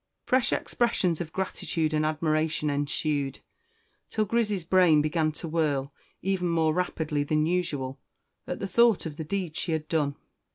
Fresh expressions of gratitude and admiration ensued, till Grizzy's brain began to whirl even more rapidly than usual, at the thought of the deeds she had done.